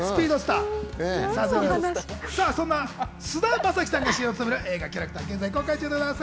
そんな菅田将暉さんが主演を務める映画『キャラクター』は現在公開中です。